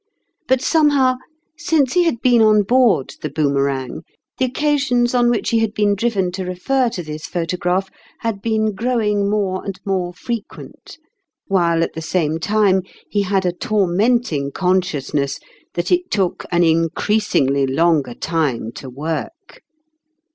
But somehow, since he had been on board the Boomerang, the occasions on which he had been driven to refer to this photograph had been growing more and more frequent; while, at the same time, he had a tormenting consciousness that it took an increasingly longer time to work.